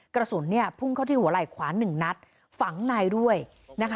กระสุนพุ่งเข้าที่หัวไหล่ขวา๑นัดฝังนายด้วยนะคะ